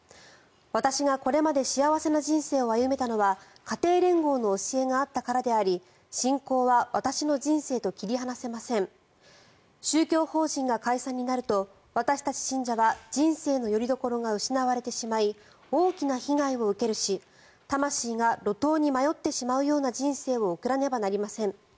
私がこれまで幸せな人生を歩めたのは家庭連合の教えがあったからであり信仰は私の人生と切り離せません宗教法人が解散になると私たち信者は人生のよりどころが失われてしまい大きな被害を受けるし魂が路頭に迷ってしまうような人生を送らねばなりません。